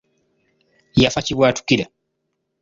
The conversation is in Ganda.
Yafa kibwatukira.